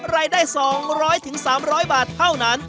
รายได้๒๐๐๓๐๐บาทเท่านั้น